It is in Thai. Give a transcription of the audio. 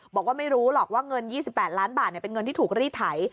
บอกว่าไม่รู้หรอกว่าเงิน๒๘ล้านบาทเป็นเงินที่ถูกรีดไถ